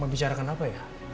mau bicarakan apa ya